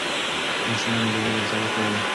ماشومان اجازه لري سبق ووایي.